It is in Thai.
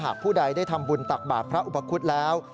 ผู้ใดได้ทำบุญตักบาทพระอุปคุฎแล้ว